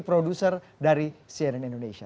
producer dari cnn indonesia